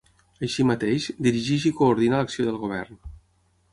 Així mateix, dirigeix i coordina l'acció del Govern.